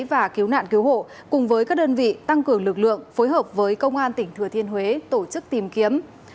và cứu nạn cứu hộ cùng với các đơn vị tăng cường lực lượng phối hợp với công an tỉnh thừa thiên huế tổ chức tìm kiếm